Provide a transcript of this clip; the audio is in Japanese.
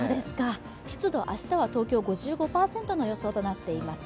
湿度、明日は東京は５５％の予想となっています。